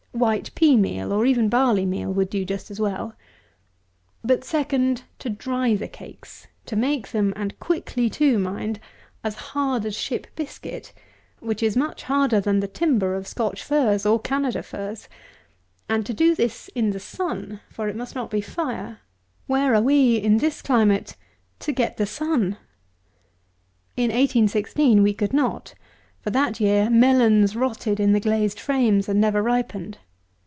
White pea meal, or even barley meal, would do just as well. But SECOND, to dry the cakes, to make them (and quickly too, mind) as hard as ship biscuit (which is much harder than the timber of Scotch firs or Canada firs;) and to do this in the sun (for it must not be fire,) where are we, in this climate, to get the sun? In 1816 we could not; for, that year, melons rotted in the glazed frames and never ripened.